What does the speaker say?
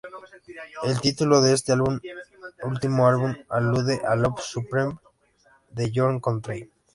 El titulo de este último álbum alude a "A Love Supreme", de John Coltrane.